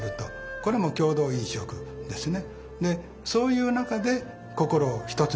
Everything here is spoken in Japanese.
これも共同飲食ですね。